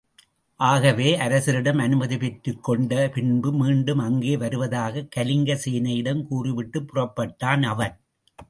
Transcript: ஆகவே அரசரிடம் அனுமதி பெற்றுக்கொண்ட பின்பு மீண்டும் அங்கே வருவதாகக் கலிங்கசேனையிடம் கூறிவிட்டுப் புறப்பட்டான் அவன்.